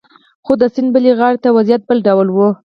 خو د سیند بلې غاړې ته وضعیت بل ډول و